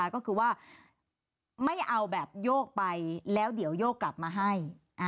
ก็คือว่าไม่เอาแบบโยกไปแล้วเดี๋ยวโยกกลับมาให้